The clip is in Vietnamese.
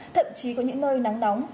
thậm chí có những nơi nắng nóng